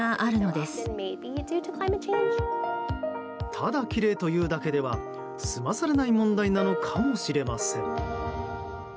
ただきれいというだけでは済まされない問題なのかもしれません。